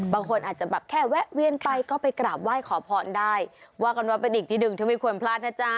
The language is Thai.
บางคนอาจจะแบบแค่แวะเวียนไปก็ไปกราบไหว้ขอพรได้ว่ากันว่าเป็นอีกที่หนึ่งที่ไม่ควรพลาดนะจ๊ะ